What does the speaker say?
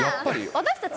私たち？